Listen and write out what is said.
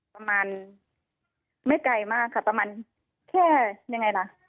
ประมาณไม่ไกลมากค่ะประมาณแค่ยังไงล่ะ